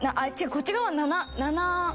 こっち側は「７」「７」。